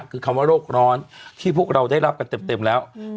คือคำว่าโรคร้อนที่พวกเราได้รับกันเต็มแล้ว